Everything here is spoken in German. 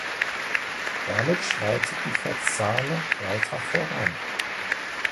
Damit schreitet die Verzahnung weiter voran.